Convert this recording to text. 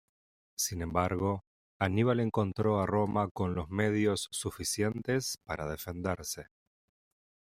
Sin embargo, Aníbal encontró a Roma con los medios suficientes para defenderse.